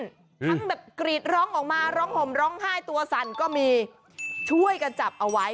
ทั้งแบบกรีดร้องออกมาร้องห่มร้องไห้ตัวสั่นก็มีช่วยกันจับเอาไว้